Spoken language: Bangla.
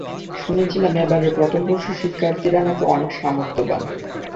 শুনেছিলাম এবারের প্রথম বর্ষের শিক্ষার্থীরা না কি অনেক সামর্থ্যবান।